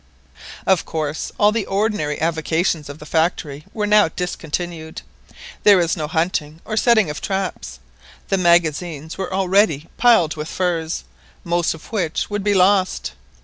Of course all the ordinary avocations of the factory were now discontinued. There was no hunting or setting of traps. The magazines were already piled up with furs, most of which would be lost.